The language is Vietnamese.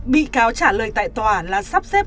bị cáo trả lời tại tòa là sắp xếp